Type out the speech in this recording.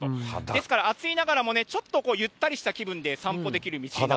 ですから、暑いながらもちょっとゆったりした気分で散歩できただ